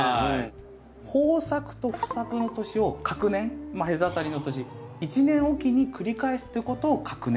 豊作と不作の年を隔年隔たりの年１年おきに繰り返すっていうことを隔年結果って言っていて。